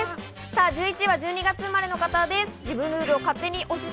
１１位は１２月生まれの方です。